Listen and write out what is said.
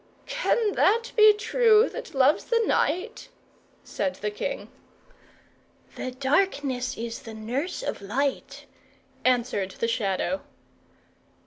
"Can that be true that loves the night?" said the king. "The darkness is the nurse of light," answered the Shadow.